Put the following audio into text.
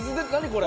これ。